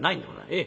ええ。